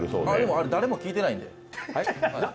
あれ、誰も聞いてないんで。